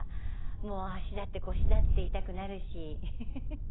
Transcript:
もう足だって腰だって痛くなるし。